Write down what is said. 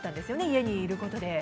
家にいることで。